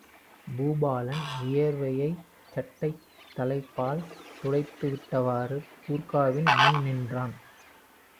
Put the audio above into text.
பூபாலன் வியர்வையைச் சட்டைத் தலைப்பால் துடைத்து விட்டவாறு, கூர்க்காவின் முன் நின்றான்.